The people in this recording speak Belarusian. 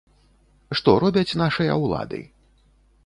Што робяць нашыя ўлады!?